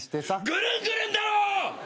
ぐるんぐるんだろ！！